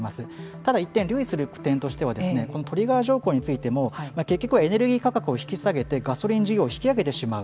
ただ、一点留意する点としてはこのトリガー条項についても結局はエネルギー価格を引き下げてガソリン需要を引き上げてしまう。